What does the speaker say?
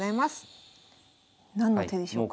何の手でしょうか？